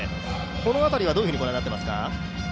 この辺りはどうご覧になっていますか？